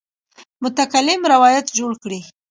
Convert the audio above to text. متکلم روایت جوړ کړی.